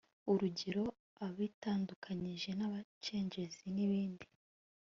urugero-abitandukanyije n'abacengezi n'ibindi.